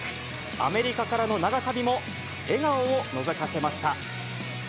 アメリカからの長旅も、笑顔をのぞかせました。